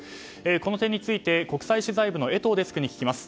この点について国際取材部のデスクに聞きます。